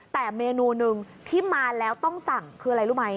แต่เมนูหนึ่งที่มาแล้วต้องสั่งคืออะไรรู้ไหม